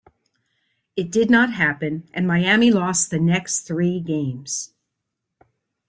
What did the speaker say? It did not happen, and Miami lost the next three games.